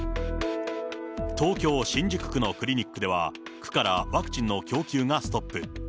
東京・新宿区のクリニックでは、区からワクチンの供給がストップ。